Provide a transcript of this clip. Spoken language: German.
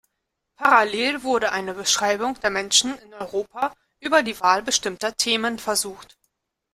Parallel wurde eine Beschreibung der Menschen in Europa über die Wahl bestimmter Themen versucht.